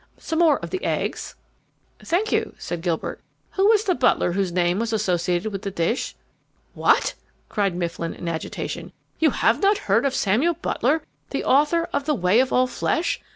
Some more of the eggs?" "Thank you," said Gilbert. "Who was the butler whose name was associated with the dish?" "What?" cried Mifflin, in agitation, "you have not heard of Samuel Butler, the author of The Way of All Flesh?